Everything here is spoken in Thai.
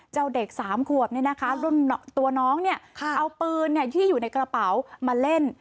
เจ้าเด็กสามขวบนี่นะคะตัวน้องเอาปืนที่อยู่ในกระเป๋ามาเล่น